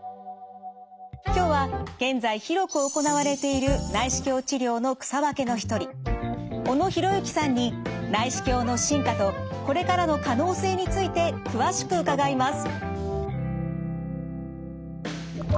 今日は現在広く行われている内視鏡治療の草分けの一人小野裕之さんに内視鏡の進化とこれからの可能性について詳しく伺います。